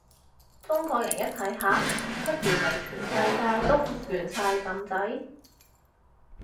中國人一睇，吓？乜原來全世界都復原晒咁滯？